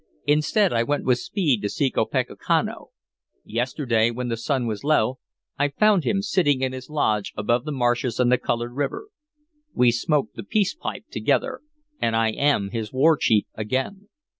Instead I went with speed to seek Opechancanough. Yesterday, when the sun was low, I found him, sitting in his lodge above the marshes and the colored river. We smoked the peace pipe together, and I am his war chief again.